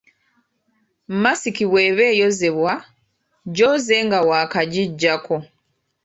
Masiki bw’eba eyozebwa, gyoze nga waakagiggyako.